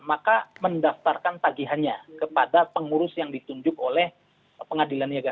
maka mendaftarkan tagihannya kepada pengurus yang ditunjuk oleh pengadilan niaga